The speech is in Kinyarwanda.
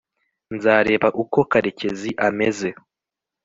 nzareba uko karekezi ameze